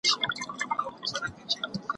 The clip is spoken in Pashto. هم ئې قسم واخستى، هم ئې دعوه بايلول.